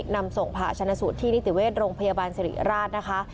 นำส่งผ่าชนะสูตรที่นิติเวชโรงพยาบาลสิริราชนะคะ